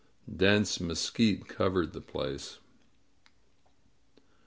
Dense mesquite covered the place.